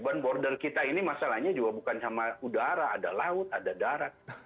beban border kita ini masalahnya juga bukan sama udara ada laut ada darat